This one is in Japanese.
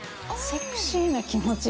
セクシーな気持ち？